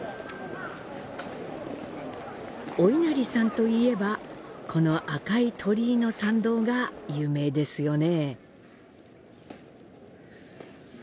お稲荷さんといえば、この赤い鳥居の参道が有名ですよね。